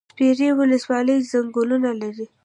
سپیرې ولسوالۍ ځنګلونه لري؟